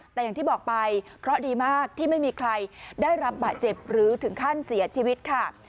แต่อย่างที่บอกไปเคราะห์ดีมากที่ไม่มีใครได้รับบาดเจ็บหรือถึงขั้นเสียชีวิตค่ะ